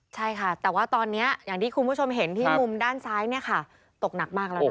ใช่ค่ะแต่ว่าตอนนี้อย่างที่คุณผู้ชมเห็นที่มุมด้านซ้ายเนี่ยค่ะตกหนักมากแล้วนะ